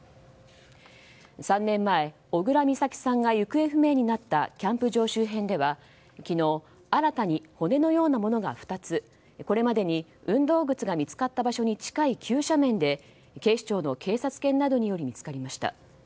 ３年前、小倉美咲さんが行方不明になったキャンプ場周辺では昨日、新たに骨のようなものが２つこれまでに運動靴が見つかった場所に近い急斜面で警視庁の警察犬などにより見つかりました。